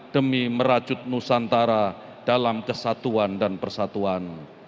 demi merajut nusantara dalam kesatuan dan persatuan